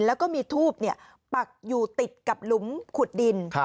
แล้วก็มีทูบปักอยู่ติดกับหลุมขุดดิน